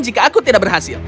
jika aku tidak berhasil